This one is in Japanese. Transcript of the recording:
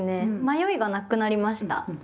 迷いがなくなりました。